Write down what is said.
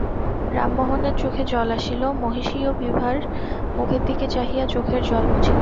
রামমোহনের চোখে জল আসিল, মহিষীও বিভার মুখের দিকে চাহিয়া চোখের জল মুছিলেন।